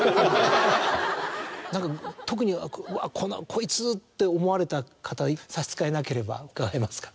特に「うわこいつ」って思われた方差し支えなければ伺えますか？